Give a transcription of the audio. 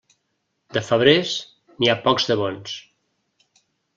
De febrers, n'hi ha pocs de bons.